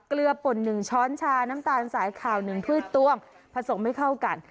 เกลือปุ่นหนึ่งช้อนชาน้ำตาลสายขาวหนึ่งพืชต้วงผสมไม่เข้ากัน